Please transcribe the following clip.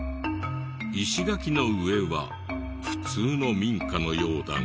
石垣の上は普通の民家のようだが。